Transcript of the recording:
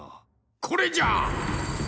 これじゃ！